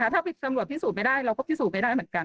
ถ้าตำรวจพิสูจน์ไม่ได้เราก็พิสูจนไม่ได้เหมือนกัน